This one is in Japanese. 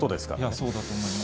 そうだと思います。